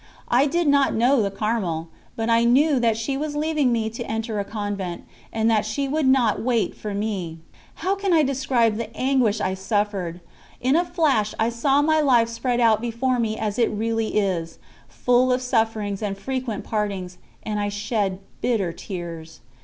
I did not know the Carmel; but I knew that she was leaving me to enter a convent, and that she would not wait for me. How can I describe the anguish I suffered! In a flash I saw life spread out before me as it really is, full of sufferings and frequent partings, and I shed bitter tears.